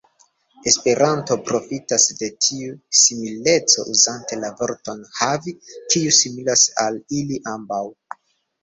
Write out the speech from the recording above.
Esperanto profitas de tiu simileco uzante la vorton "havi", kiu similas al ili ambaŭ.